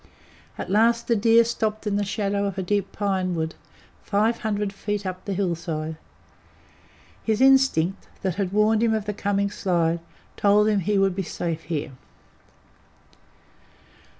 At last the deer stopped in the shadow of a deep pinewood, five hundred feet up the hillside. His instinct, that had warned him of the coming slide, told him he would he safe here.